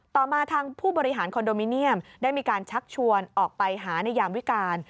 ต่อมาทางผู้บริหารคอนโดมิเนียมได้มีการชักชวนออกไปหาในยามวิการ